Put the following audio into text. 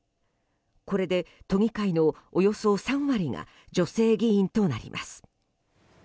これで都議会のおよそ３割が女性議員となります。